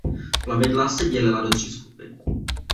Plavidla se dělila do tří skupin.